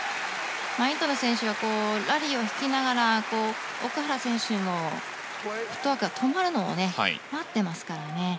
インタノン選手がラリーを引きながら奥原選手のフットワークが止まるのを待ってますからね。